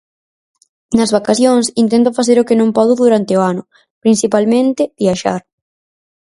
Nas vacacións intento facer o que non podo durante o ano, principalmente viaxar.